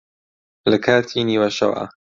لە کاتی نیوەشەوا